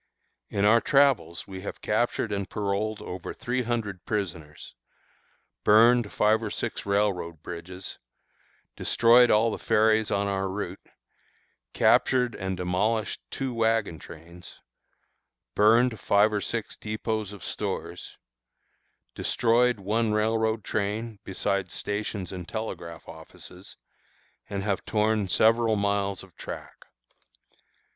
In our travels we have captured and paroled over three hundred prisoners, burned five or six railroad bridges, destroyed all the ferries on our route, captured and demolished two wagon trains, burned five or six dépôts of stores, destroyed one railroad train, besides stations and telegraph offices, and have torn several miles of track.